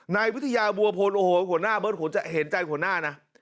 ในวิทยาบัวพลโอ้โหเหมือนจะเห็นใจของข้อหน้านะ